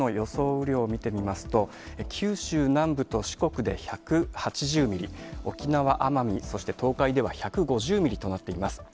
雨量を見てみますと、九州南部と四国で１８０ミリ、沖縄・奄美、そして東海では１５０ミリとなっています。